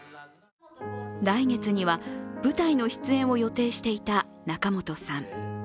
来月には舞台の出演を予定していた仲本さん。